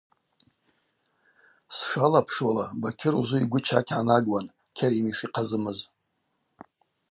Сшалапшуала, Бакьыр ужвы йгвы чакь гӏанагуан – Кьарим йшихъазымыз.